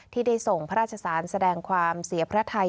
ที่ได้ส่งพระราชสารแสดงความเสียพระไทย